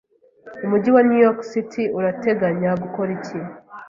Umujyi wa New York City urateganya gukora iki